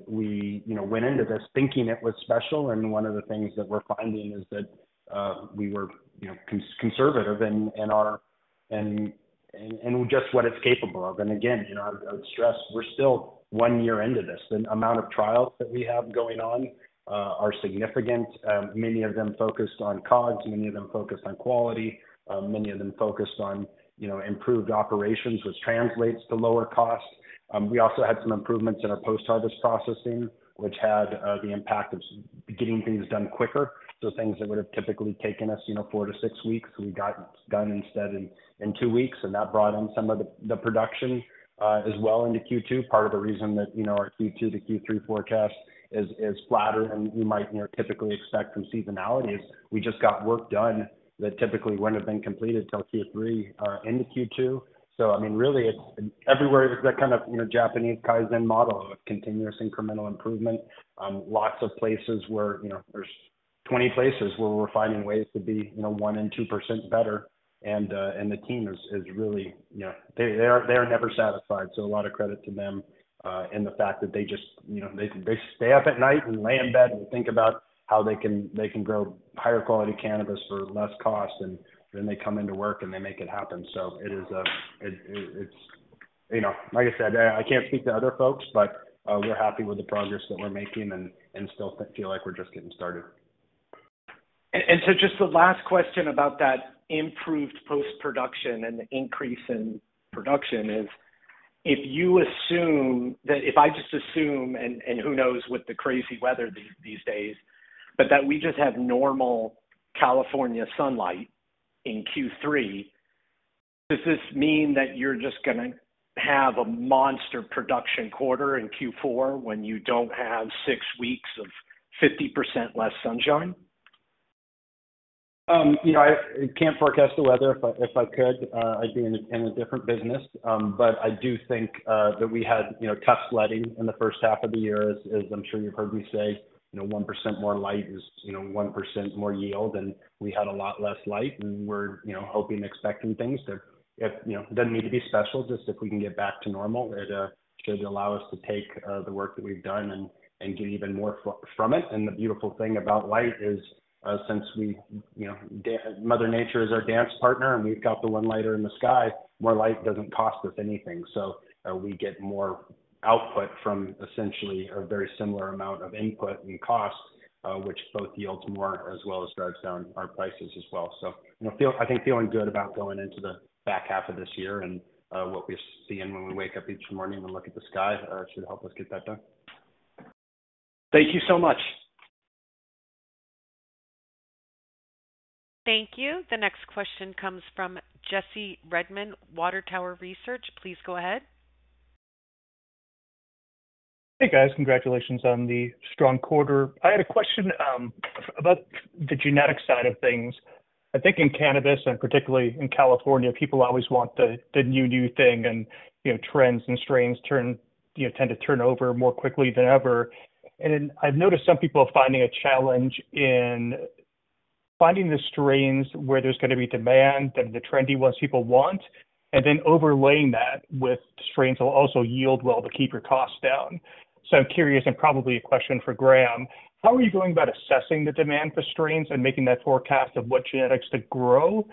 We, you know, went into this thinking it was special, and one of the things that we're finding is that, we were, you know, conservative in, in our in, in just what it's capable of. Again, you know, I, I would stress, we're still 1 year into this. The amount of trials that we have going on are significant, many of them focused on COGS, many of them focused on quality, many of them focused on, you know, improved operations, which translates to lower costs. We also had some improvements in our post-harvest processing, which had the impact of getting things done quicker. Things that would have typically taken us, you know, 4-6 weeks, we got done instead in 2 weeks, and that brought in some of the production as well into Q2. Part of the reason that, you know, our Q2 to Q3 forecast is, is flatter than you might, you know, typically expect from seasonality is we just got work done that typically wouldn't have been completed till Q3 into Q2. I mean, really, it's everywhere is that kind of, you know, Japanese Kaizen model of continuous incremental improvement. lots of places where, you know, there's 20 places where we're finding ways to be, you know, 1% and 2% better. The team is, is really, you know, they, they are, they are never satisfied. A lot of credit to them, and the fact that they just, you know, they, they stay up at night and lay in bed and think about how they can, they can grow higher quality cannabis for less cost, and then they come into work, and they make it happen. It is, it's... You know, like I said, I can't speak to other folks, but, we're happy with the progress that we're making and, and still feel like we're just getting started. Just the last question about that improved post-production and the increase in production is: if you assume that, if I just assume, and who knows with the crazy weather these days, but that we just have normal California sunlight in Q3, does this mean that you're just going to have a monster production quarter in Q4 when you don't have six weeks of 50% less sunshine? You know, I can't forecast the weather. If I, could, I'd be in a different business. But I do think that we had, you know, tough sledding in the first half of the year, as, as I'm sure you've heard me say, you know, 1% more light is, you know, 1% more yield, and we had a lot less light. We're, you know, hoping and expecting things to, if, you know, it doesn't need to be special, just if we can get back to normal, it should allow us to take the work that we've done and get even more from it. The beautiful thing about light is, since we, you know, Mother Nature is our dance partner, and we've got the one lighter in the sky, more light doesn't cost us anything. We get more output from essentially a very similar amount of input and cost, which both yields more as well as drives down our prices as well. You know, I think feeling good about going into the back half of this year and what we're seeing when we wake up each morning and look at the sky, should help us get that done. Thank you so much. Thank you. The next question comes from Jesse Redmond, Water Tower Research. Please go ahead. Hey, guys. Congratulations on the strong quarter. I had a question about the genetic side of things. I think in cannabis, and particularly in California, people always want the, the new, new thing and, you know, trends and strains turn, you know, tend to turn over more quickly than ever. Then I've noticed some people are finding a challenge in finding the strains where there's going to be demand and the trendy ones people want, and then overlaying that with strains that will also yield well to keep your costs down. I'm curious, and probably a question for Graham: How are you going about assessing the demand for strains and making that forecast of what genetics to grow?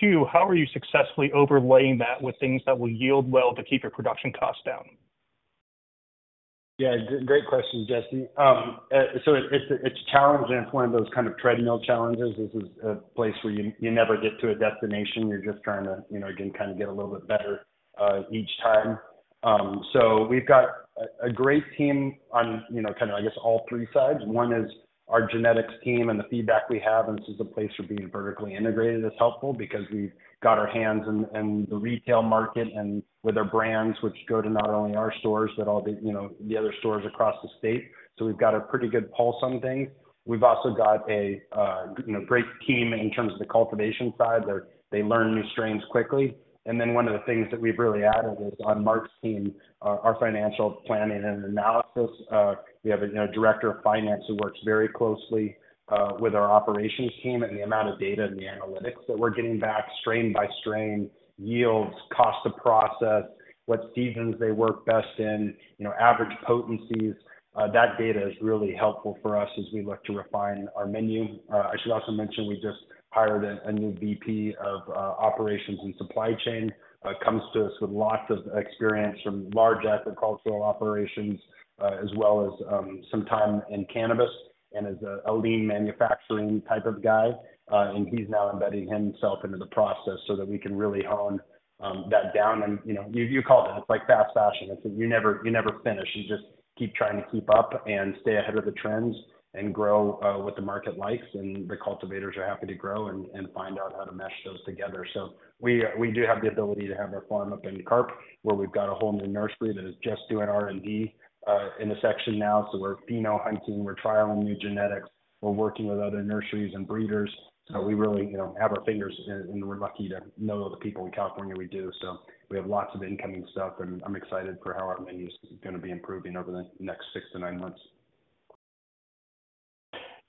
two, how are you successfully overlaying that with things that will yield well to keep your production costs down? Yeah, great question, Jesse. So it's, it's a challenge, and it's one of those kind of treadmill challenges. This is a place where you, you never get to a destination. You're just trying to, you know, again, kind of get a little bit better each time. So we've got a, a great team on, you know, kind of, I guess, all three sides. One is our genetics team and the feedback we have, and this is a place where being Vertically integrated is helpful because we've got our hands in, in the retail market and with our brands, which go to not only our stores, but all the, you know, the other stores across the state. We've got a pretty good pulse on things. We've also got a, you know, great team in terms of the cultivation side. They, they learn new strains quickly. One of the things that we've really added is on Mark's team, our financial planning and analysis. We have a, you know, director of finance who works very closely with our operations team and the amount of data and the analytics that we're getting back, strain by strain, yields, cost to process, what seasons they work best in, you know, average potencies. That data is really helpful for us as we look to refine our menu. I should also mention, we just hired a new VP of operations and supply chain. Comes to us with lots of experience from large agricultural operations, as well as some time in cannabis and is a lean manufacturing type of guy. And he's now embedding himself into the process so that we can really hone that down. You know, you called it, it's like fast fashion. It's. You never, you never finish. You just keep trying to keep up and stay ahead of the trends and grow what the market likes, and the cultivators are happy to grow and find out how to mesh those together. We do have the ability to have our farm up in Carp, where we've got a whole new nursery that is just doing R&D in a section now. We're pheno hunting, we're trialing new genetics, we're working with other nurseries and breeders. We really, you know, have our fingers in, and we're lucky to know the people in California we do. We have lots of incoming stuff, and I'm excited for how our menu is going to be improving over the next six to nine months.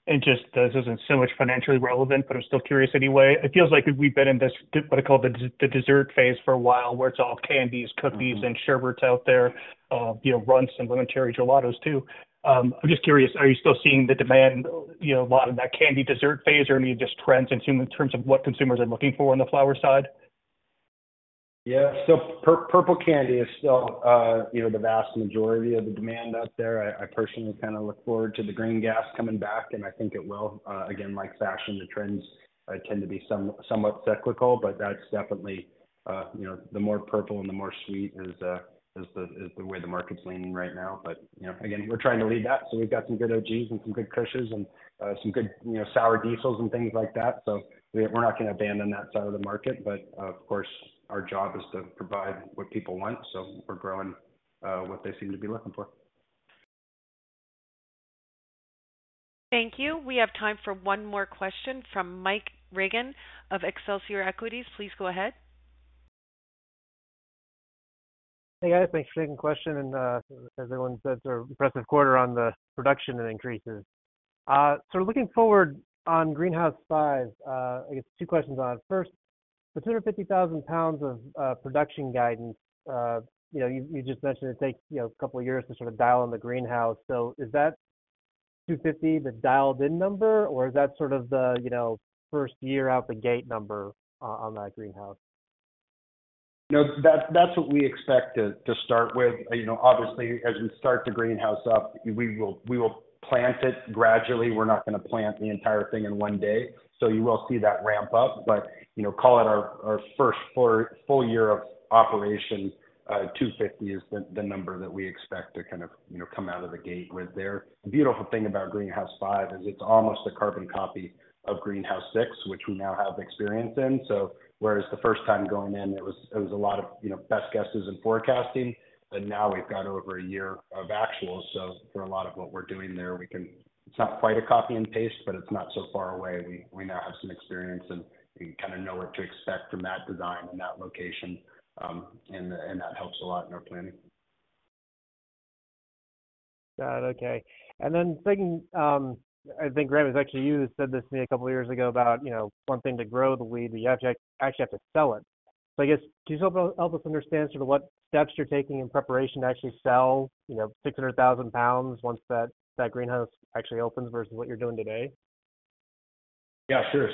Just, this isn't so much financially relevant, but I'm still curious anyway. It feels like we've been in this, what I call the dessert phase for a while, where it's all candies, cookies, and sherbets out there. you know, Runtz and Lemon Cherry Gelato, too. I'm just curious, are you still seeing the demand, you know, a lot of that candy dessert phase, or any just trends in terms of what consumers are looking for on the flower side? Yeah. Purple candy is still, you know, the vast majority of the demand out there. I, I personally kind of look forward to the green gas coming back, and I think it will. Again, like fashion, the trends tend to be somewhat cyclical, but that's definitely, you know, the more purple and the more sweet is, is the, is the way the market's leaning right now. You know, again, we're trying to lead that. We've got some good OGs and some good Kushes and, some good, you know, Sour Diesels and things like that. We, we're not going to abandon that side of the market, but, of course, our job is to provide what people want, so we're growing, what they seem to be looking for. Thank you. We have time for one more question from Mike Regan of Excelsior Equities. Please go ahead. Hey, guys, thanks for taking the question. As everyone said, an impressive quarter on the production and increases. Looking forward on Greenhouse 5, I guess two questions on it. First, the 250,000 pounds of production guidance. You know, you, you just mentioned it takes, you know, a couple of years to sort of dial in the greenhouse. Is that 250 the dialed-in number, or is that sort of the, you know, first year out the gate number on that greenhouse? No, that's, that's what we expect to start with. You know, obviously, as we start the greenhouse up, we will plant it gradually. We're not going to plant the entire thing in one day. You will see that ramp up, but, you know, call it our first full year of operation, 250 is the number that we expect to kind of, you know, come out of the gate with there. The beautiful thing about Greenhouse 5 is it's almost a carbon copy of Greenhouse 6, which we now have experience in. Whereas the first time going in, it was a lot of, you know, best guesses and forecasting, but now we've got over a year of actuals. For a lot of what we're doing there, we can... It's not quite a copy and paste, but it's not so far away. We, we now have some experience, and we kind of know what to expect from that design and that location, and that helps a lot in our planning. Got it. Okay. Then second, I think, Graham, it was actually you who said this to me two years ago about, you know, one thing to grow the weed, but you actually, actually have to sell it. I guess, can you help, help us understand sort of what steps you're taking in preparation to actually sell, you know, 600,000 pounds once that, that greenhouse actually opens versus what you're doing today? Yeah, sure.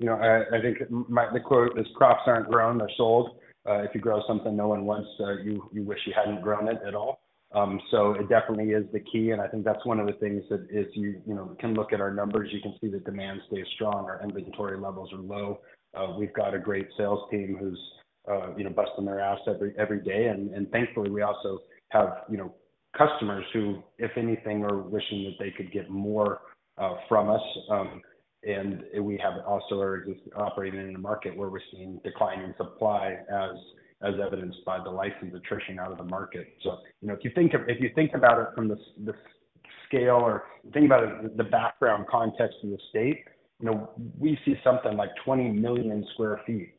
You know, I, I think my- the quote is, " Crops aren't grown, they're sold. If you grow something no one wants, you, you wish you hadn't grown it at all." It definitely is the key, and I think that's one of the things that as you, you know, can look at our numbers, you can see the demand stays strong. Our inventory levels are low. We've got a great sales team who's, you know, busting their ass every, every day. Thankfully, we also have, you know, customers who, if anything, are wishing that they could get more from us. We have also are operating in a market where we're seeing decline in supply as, as evidenced by the license attrition out of the market. You know, if you think about it from the scale, or think about it, the background context in the state, you know, we see something like 20 million sq ft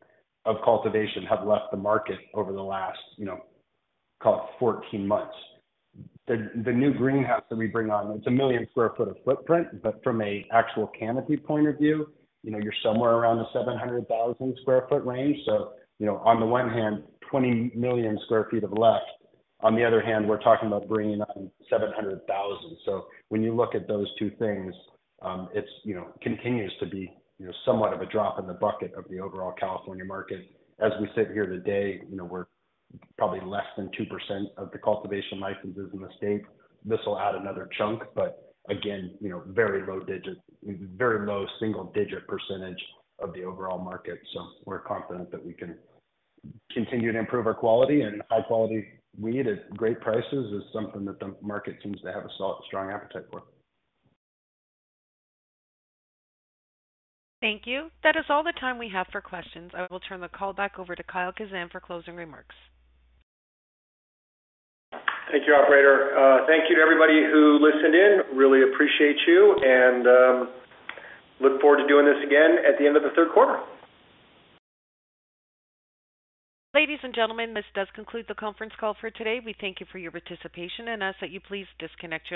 of cultivation have left the market over the last, you know, call it 14 months. The new greenhouse that we bring on, it's a 1 million sq ft of footprint, but from a actual canopy point of view, you know, you're somewhere around the 700,000 sq ft range. When you look at those two things, it's, you know, continues to be, you know, somewhat of a drop in the bucket of the overall California market. As we sit here today, you know, we're probably less than 2% of the cultivation licenses in the state. This will add another chunk, but again, you know, very low digits, very low single-digit percentage of the overall market. We're confident that we can continue to improve our quality, and high-quality weed at great prices is something that the market seems to have a strong appetite for. Thank you. That is all the time we have for questions. I will turn the call back over to Kyle Kazan for closing remarks. Thank you, operator. Thank you to everybody who listened in. Really appreciate you, and look forward to doing this again at the end of the third quarter. Ladies and gentlemen, this does conclude the conference call for today. We thank you for your participation and ask that you please disconnect your lines.